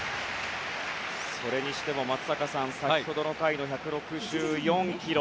それにしても松坂さん先ほどの回の１６４キロ。